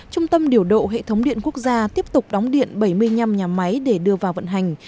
trung tâm điều đổi thống địa quốc gia tiếp tục đóng điện bảy mươi năm nhà máy để đưa vào vận hành